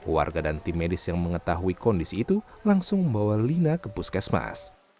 warga dan tim medis yang mengetahui kondisi itu langsung membawa lina ke puskesmas